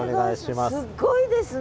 すっごいですね。